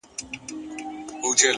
• له لنډیو کفنونه محتسب لره ګنډمه ,